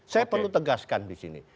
saya perlu tegaskan disini